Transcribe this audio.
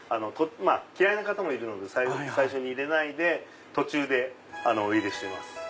嫌いな方もいるので最初に入れないで途中でお入れしてます。